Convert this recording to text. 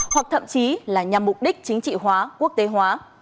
hoặc thậm chí là nhằm mục đích chính trị hóa quốc tế hóa